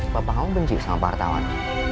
bapak kamu benci sama pak artawan